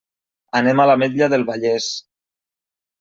Anem a l'Ametlla del Vallès.